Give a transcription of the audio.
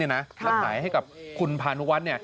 และขายให้กับคุณพานุวัฒน์